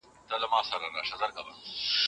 موږ بايد خپل سياسي حقوق وپېژنو.